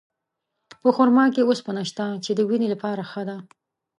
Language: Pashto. په خرما کې اوسپنه شته، چې د وینې لپاره ښه ده.